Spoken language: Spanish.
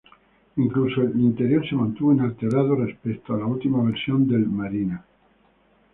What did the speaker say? Incluso el interior se mantuvo inalterado respecto a la última versión del Marina.